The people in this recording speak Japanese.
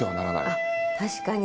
あっ確かに。